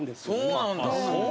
そうなんだ。